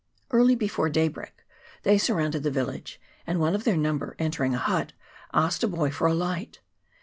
Early before daybreak they surrounded the village, and one of their num ber, entering a hut, asked a boy for a light.